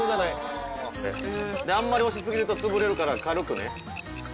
あんまり押し過ぎるとつぶれるから軽くね。